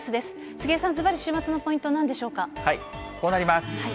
杉江さん、ずばり週末のポイント、こうなります。